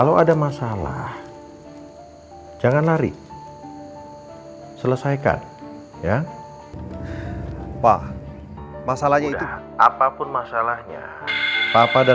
sampai jumpa di video selanjutnya